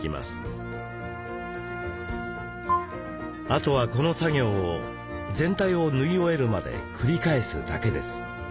あとはこの作業を全体を縫い終えるまで繰り返すだけです。